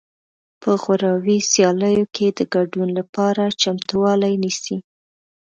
په غوراوي سیالیو کې د ګډون لپاره چمتووالی نیسي